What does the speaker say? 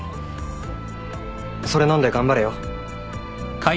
それ飲んで頑張れよ。